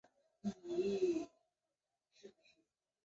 卡累利阿苏维埃社会主义自治共和国国旗上的文字被更改。